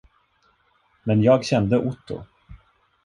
Men jag kände Otto.